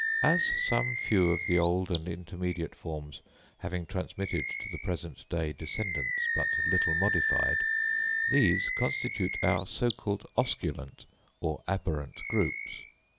As some few of the old and intermediate forms having transmitted to the present day descendants but little modified, these constitute our so called osculant or aberrant groups.